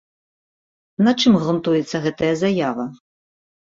На чым грунтуецца гэтая заява?